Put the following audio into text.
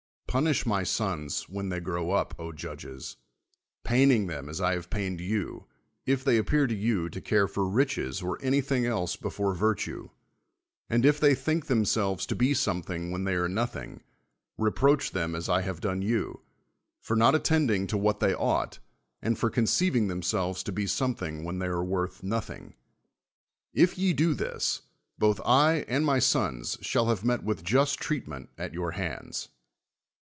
Punish my sons, wh('n they grow up, () jiulges, j)aining them as I have paim;d you, if they appear to THE WORLD'S FAMOUS ORATIONS you to care for riches or anything else before virtue, and if they think themselves to be some thing when they are nothing, reproach them as I have done you, for not attending to what they ought, and for conceiving themselves to be some thing when they are worth nothing. If ye do this, both I and my sons shall have met with just treatment at your hands.